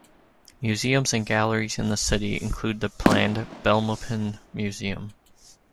Museums and galleries in the city include the planned Belmopan Museum.